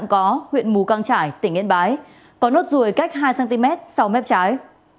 có huyện mù căng trải tỉnh yên bái có nốt ruồi cách hai cm sau mép trái